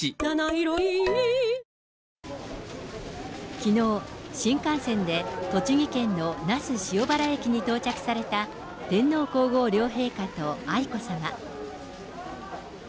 きのう、新幹線で栃木県の那須塩原駅に到着された天皇皇后両陛下と愛子さま。